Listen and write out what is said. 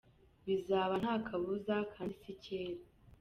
bizaba nta kabuza kandi si kera.